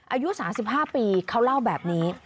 อายุสามสิบห้าปีเขาเล่าแบบนี้